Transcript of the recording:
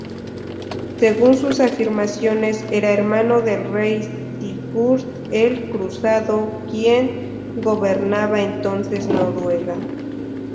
Según sus afirmaciones, era hermano del rey Sigurd el Cruzado, quien gobernaba entonces Noruega.